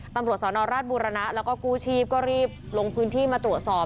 ตำรวจสนราชบุรณะแล้วก็กู้ชีพก็รีบลงพื้นที่มาตรวจสอบ